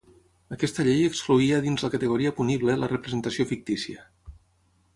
Aquesta llei excloïa dins la categoria punible la representació fictícia.